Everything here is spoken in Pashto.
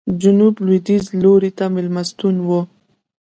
جنوب لوېدیځ لوري ته مېلمستون و.